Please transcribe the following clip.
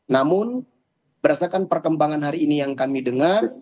namun berdasarkan perkembangan hari ini yang kami dengar